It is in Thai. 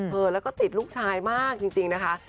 เออแล้วก็ติดลูกชายมากจริงนะคะ